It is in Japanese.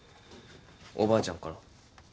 おばあちゃんから。